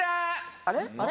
・あれ？